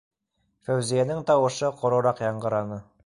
Фәүзиәнең тауышы ҡорораҡ яңғыраны: